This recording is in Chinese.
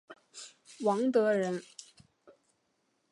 王德人。